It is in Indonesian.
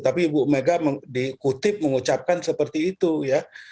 tapi ibu mega dikutip mengucapkan seperti itu ya